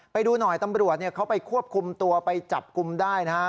ไปดูหน่อยตำรวจเนี่ยเขาไปควบคุมตัวไปจับกุมได้นะครับ